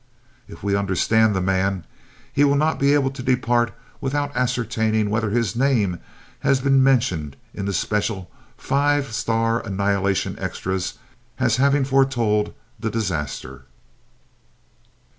If we understand the man, he will not be able to depart without ascertaining whether his name has been mentioned in the special five star annihilation extras as having foretold the disaster.